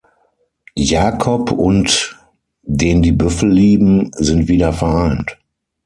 Jacob und Den Die Büffel Lieben sind wieder vereint.